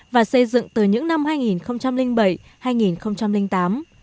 và xây dựng từ những năm hai nghìn bảy hai nghìn tám